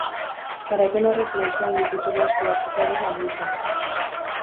Garaipen horrek Maisu Handi titulua eskuratzeko ere balio izan zion.